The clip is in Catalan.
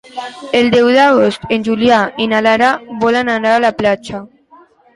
El deu d'agost en Julià i na Lara volen anar a la platja.